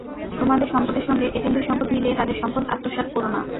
তোমাদের সম্পদের সঙ্গে এতিমদের সম্পদ মিলিয়ে তাদের সম্পদ আত্মসাৎ কোরো না।